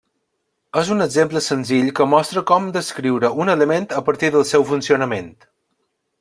És un exemple senzill que mostra com descriure un element a partir del seu funcionament.